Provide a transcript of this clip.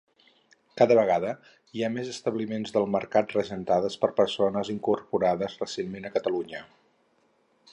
Cada vegada hi ha més establiments del mercat regentats per persones incorporades recentment a Catalunya.